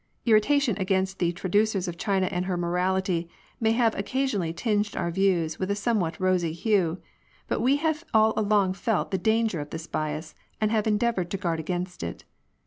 Irritation against traducers of China and her morality f may have occasionally tinged our views with a somewhat rosy hue; but we have all along felt the danger of this bias, and have endeavoured to guard against it.